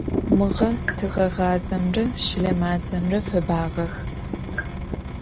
Мыгъэ тыгъэгъазэмрэ щылэ мазэмрэ фэбагъэх.